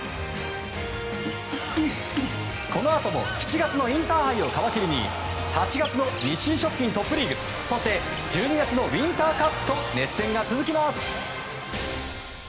このあとも７月のインターハイを皮切りに８月の日清食品トップリーグそして１２月のウインターカップと熱戦が続きます！